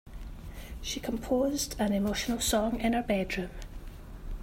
She composed an emotional song in her bedroom.